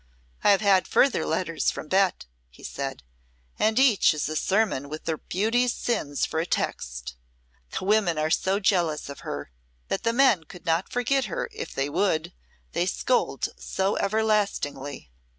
"I have had further letters from Bet," he said, "and each is a sermon with the beauty's sins for a text. The women are so jealous of her that the men could not forget her if they would, they scold so everlastingly.